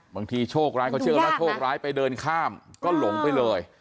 โชคร้ายเขาเชื่อว่าโชคร้ายไปเดินข้ามก็หลงไปเลย